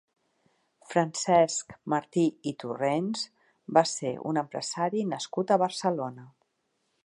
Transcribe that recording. Francesc Martí i Torrents va ser un empresari nascut a Barcelona.